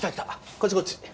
こっちこっち。